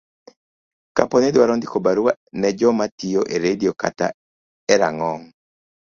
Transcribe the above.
Kapo ni idwaro ndiko barua ne joma tiyo e redio kata e rang'ong